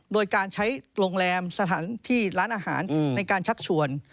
โดยการใช้โรงแรมสถานที่ร้านอาหารในการชักชวน